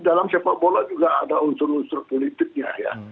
dalam sepak bola juga ada unsur unsur politiknya ya